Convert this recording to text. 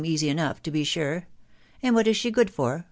easy enough, to be sure .... And what is she good for